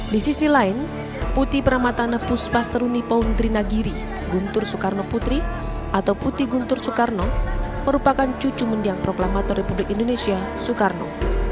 di sisi lain putih pramatana puspa seruni poundri nagiri guntur soekarno putri atau putih guntur soekarno merupakan cucu mendiang proklamator republik indonesia soekarno